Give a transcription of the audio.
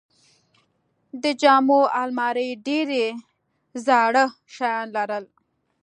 د جامو الماری ډېرې زاړه شیان لرل.